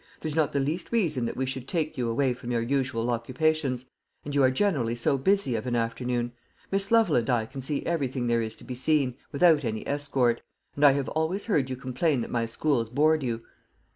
There's not the least reason that we should take you away from your usual occupations; and you are generally so busy of an afternoon. Miss Lovel and I can see everything there is to be seen, without any escort; and I have always heard you complain that my schools bored you."